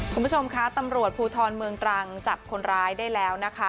คุณผู้ชมคะตำรวจภูทรเมืองตรังจับคนร้ายได้แล้วนะคะ